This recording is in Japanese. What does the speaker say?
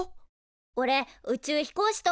おれ宇宙飛行士と